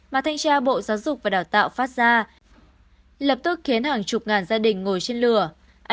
mà thanh tra bộ giáo dục và đào tạo phát ra lập tức khiến hàng chục ngàn gia đình ngồi trên lửa